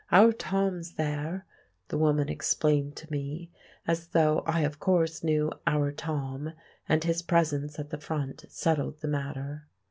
"Our Tom's there," the woman explained to me, as though I of course knew "Our Tom," and his presence at the front settled the matter.